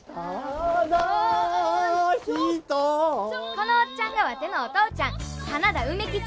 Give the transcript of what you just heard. このおっちゃんがワテのお父ちゃん花田梅吉